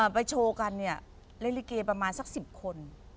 ไปโชว์กันเนี่ยเล่นลิเกประมาณสัก๑๐คน